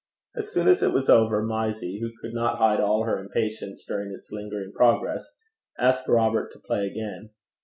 As soon as it was over, Mysie, who could not hide all her impatience during its lingering progress, asked Robert to play again.